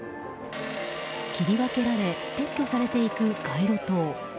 切り分けられ撤去されていく街路灯。